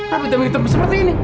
tapi demi hitam seperti ini